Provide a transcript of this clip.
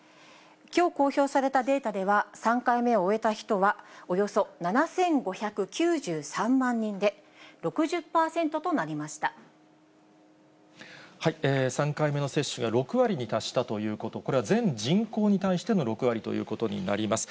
きょう公表されたデータでは、３回目を終えた人はおよそ７５９３万人で６０％となりまし３回目の接種が６割に達したということ、これは全人口に対しての６割ということになります。